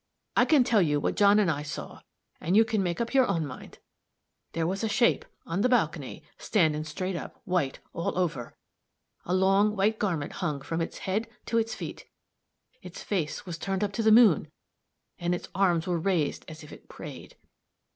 I can tell you what John and I saw, and you can make up your own mind. There was a shape, on the balcony, standing straight up, white all over. A long white garment hung from its head to its feet; its face was turned up to the moon, and its arms were raised as if it prayed.